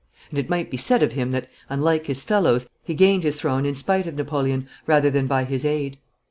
And it might be said of him that, unlike his fellows, he gained his throne in spite of Napoleon rather than by his aid.